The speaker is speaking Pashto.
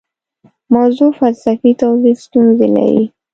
موضوع فلسفي توضیح ستونزې لري.